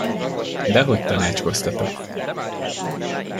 Dehogy tanácskoztatok.